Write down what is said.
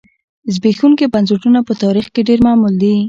زبېښونکي بنسټونه په تاریخ کې ډېر معمول دي